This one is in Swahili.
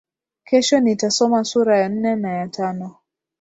Kesho nitasoma sura ya nne na ya tano.